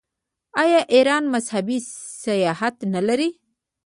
آیا ایران مذهبي سیاحت نلري؟